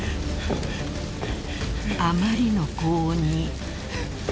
［あまりの高温に］